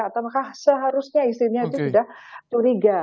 atau maka seharusnya istrinya itu sudah turinga